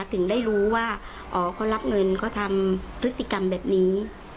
ถึงได้รู้ว่าอ๋อเขารับเงินเขาทำพฤติกรรมแบบนี้